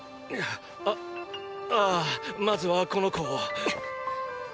あああまずはこの子を。